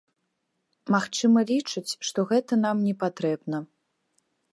Магчыма, лічаць, што гэта нам не патрэбна.